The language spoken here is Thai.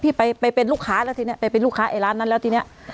ไปเป็นลูกค้าแล้วทีนี้ไปเป็นลูกค้าไอ้ร้านนั้นแล้วทีนี้